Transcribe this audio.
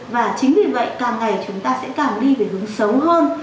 và chính vì vậy càng ngày chúng ta sẽ càng đi về hướng xấu hơn